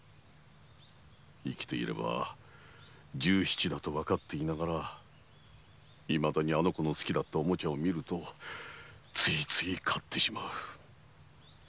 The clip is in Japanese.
生きていれば十七だとわかっていながらいまだにあの子が好きだったオモチャを見るとつい買ってしまう。